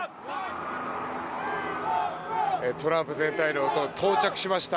トランプ前大統領が到着しました。